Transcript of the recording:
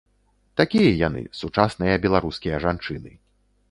Такія яны, сучасныя беларускія жанчыны.